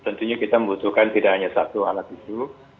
tentunya kita membutuhkan tidak hanya satu alat itu